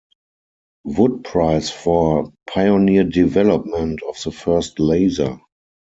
Wood Prize for "Pioneer Development of the First Laser".